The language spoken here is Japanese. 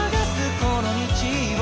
この道を」